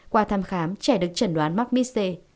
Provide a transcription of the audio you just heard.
qua thăm khám trẻ được trần đoán mắc mis c